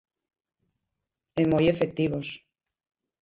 E moi efectivos.